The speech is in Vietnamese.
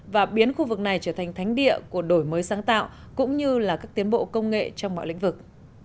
và biến khu vực này trở thành thánh địa của đổi mới sáng tạo cũng như là các tiến bộ công nghệ trong mọi lĩnh vực